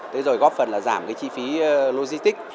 tới rồi góp phần là giảm chi phí logistics